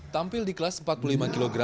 tampil di kelas empat puluh lima kg